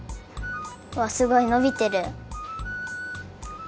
うわすごいのびてる。